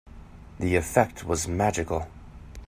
The effect was magical.